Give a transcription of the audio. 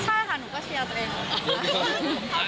ใช่ค่ะหนูก็เชียร์ตัวเอง